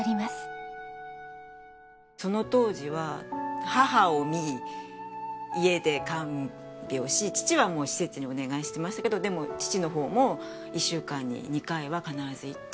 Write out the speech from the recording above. その当時は母を見家で看病し父はもう施設にお願いしてましたけどでも父の方も１週間に２回は必ず行って。